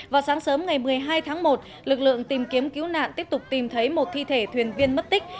vào sáng sớm ngày một mươi hai tháng một lực lượng tìm kiếm cứu nạn tiếp tục tìm thấy một thi thể thuyền viên mất tích